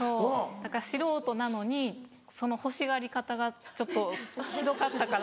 だから素人なのにその欲しがり方がちょっとひどかったから。